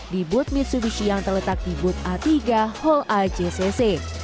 di booth mitsubishi yang terletak di booth a tiga hall a jcc